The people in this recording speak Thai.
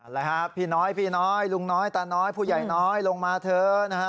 ลุงน้อยลุงน้อยตาน้อยผู้ใหญ่น้อยลงมาเถอะนะครับ